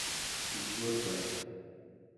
Yettwaṭṭef.